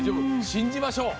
信じましょう！